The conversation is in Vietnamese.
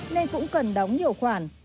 nên cũng cần đóng nhiều khoản